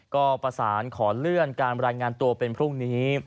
ก็ประสานขอเลื่อนการรายงานตัวเป็นพรุ่งนี้